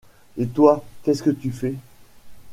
Et toi, qu’est-ce que tu fais ?